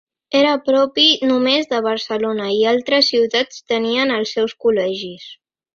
Era propi només de Barcelona i altres ciutats tenien els seus Col·legis.